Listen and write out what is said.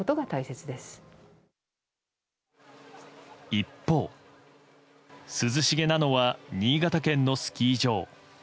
一方、涼しげなのは新潟県のスキー場。